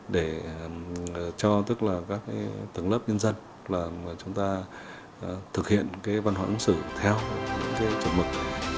để cho tức là các tầng lớp nhân dân là chúng ta thực hiện cái văn hóa ứng xử theo những cái chuẩn mực